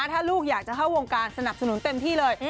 ถ้าลูกอยากจะเข้าวงการสนับสนุนเต็มที่เลย